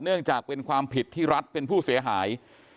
เนื่องจากเป็นความผิดที่รัฐเป็นผู้เสียหาย